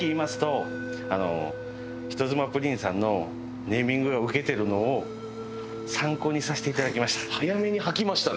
人妻プリンさんのネーミングがウケてるのを参考にさせていただきました。